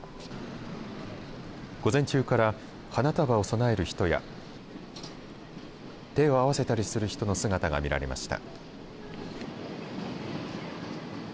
午前中から花束を供える人や手を合わせたりする人の姿が見られました。